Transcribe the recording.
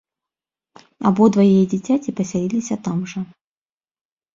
Абодва яе дзіцяці пасяліліся там жа.